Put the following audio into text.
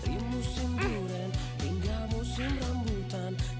dari musim muren hingga musim rembutan